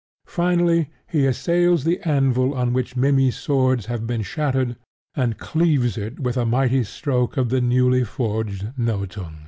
Finally he assails the anvil on which Mimmy's swords have been shattered, and cleaves it with a mighty stroke of the newly forged Nothung.